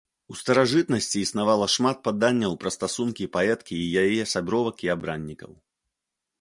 У старажытнасці існавала шмат паданняў пра стасункі паэткі і яе сябровак і абраннікаў.